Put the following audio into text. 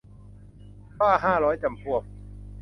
บ้าห้าร้อยจำพวก